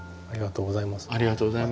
ありがとうございます。